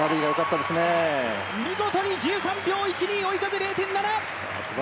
見事に１３秒１２、追い風０．７。